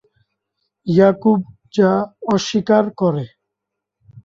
ইয়াকুব যা অস্বীকার করে।